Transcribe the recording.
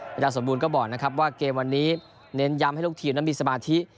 อาจารย์สมบูรณก็บอกนะครับว่าเกมวันนี้เน้นย้ำให้ลูกทีมนั้นมีสมาธิ